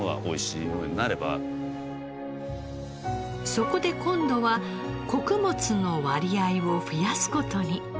そこで今度は穀物の割合を増やす事に。